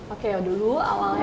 oke dulu awalnya